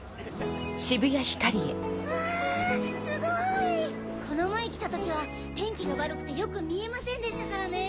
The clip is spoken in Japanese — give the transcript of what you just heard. ・うわすごい・この前来た時は天気が悪くてよく見えませんでしたからね。